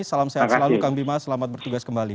salam sehat selalu kang bima selamat bertugas kembali